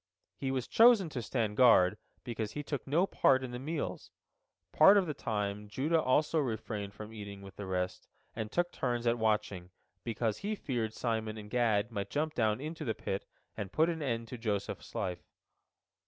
He was chosen to stand guard because he took no part in the meals. Part of the time Judah also refrained from eating with the rest, and took turns at watching, because he feared Simon and Gad might jump down into the pit and put an end to Joseph's life.